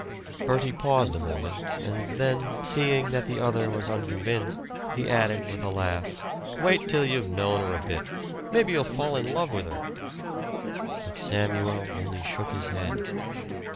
Bertie paused a moment, and then, seeing that the other was unconvinced, he added with a laugh, "Wait till you've known her a bit. Maybe you'll fall in love with her." But Samuel only shook his head.